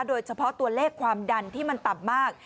โดยเฉพาะตัวเลขความดันที่มันต่ำมาก